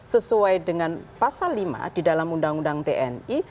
sesuai dengan pasal lima di dalam undang undang tni